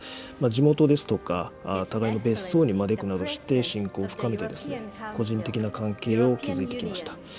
地元ですとか、互いの別荘に招くなどして、親交を深めて、個人的な関係を築いてきました。